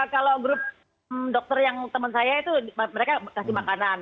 kalau grup dokter yang teman saya itu mereka kasih makanan